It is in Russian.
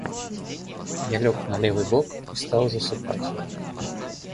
Я лег на левый бок и стал засыпать.